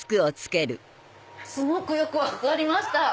すごくよく分かりました。